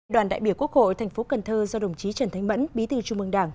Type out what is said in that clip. đoàn đại biểu quốc hội tp cn do đồng chí trần thánh mẫn bí tư trung mương đảng